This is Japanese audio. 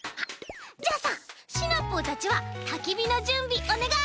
あさシナプーたちはたきびのじゅんびおねがい！